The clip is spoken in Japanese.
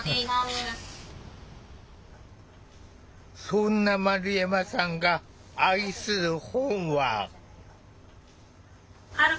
そんな丸山さんが愛する本は。